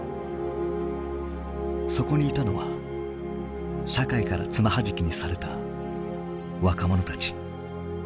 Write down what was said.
そこにいたのは社会から爪はじきにされた若者たち。